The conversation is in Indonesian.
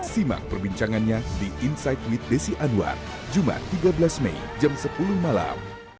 simak perbincangannya di insight with desi anwar jumat tiga belas mei jam sepuluh malam